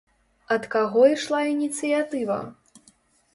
Ад каго ішла ініцыятыва?